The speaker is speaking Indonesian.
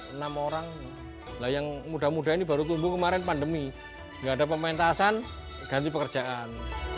enam orang yang muda muda ini baru tumbuh kemarin pandemi nggak ada pementasan ganti pekerjaan